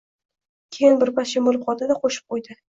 Keyin birpas jim bo`lib qoldi-da, qo`shib qo`ydi